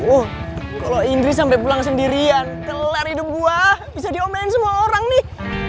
oh kalau indri sampai pulang sendirian kelar hidup gua bisa diomelin semua orang nih